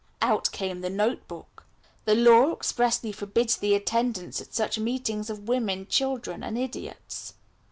Out came the note book. "The law expressly forbids the attendance at such meetings of women, children, and idiots."